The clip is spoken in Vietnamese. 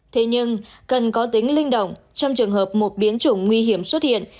thế nhưng cần có tính linh động trong trường hợp một biến chủng nguy hiểm xuất hiện